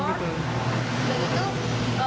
dan itu yaudah sempat